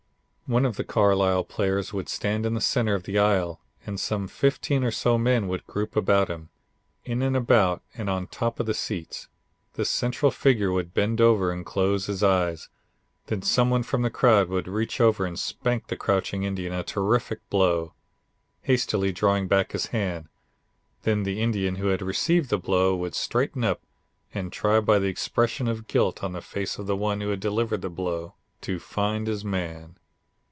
One of the Carlisle players would stand in the center of the aisle and some fifteen or so men would group about him, in and about and on top of the seats. This central figure would bend over and close his eyes. Then some one from the crowd would reach over and spank the crouching Indian a terrific blow, hastily drawing back his hand. Then the Indian who had received the blow would straighten up and try, by the expression of guilt on the face of the one who had delivered the blow, to find his man.